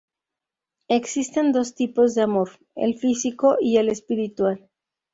Existen dos tipos de amor: el físico y el espiritual.